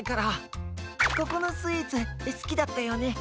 ここのスイーツすきだったよね？